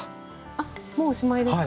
あっもうおしまいですか？